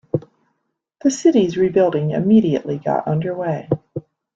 The city's re-building immediately got underway.